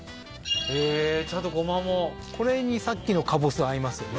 へえーちゃんと胡麻もこれにさっきのカボス合いますよね